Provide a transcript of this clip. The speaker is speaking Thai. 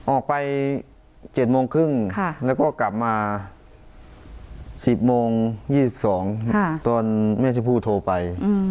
ออกไป๗๓๐แล้วก็กลับมา๑๐๒๒ตอนเมื่อเจ้าผู้โทรไป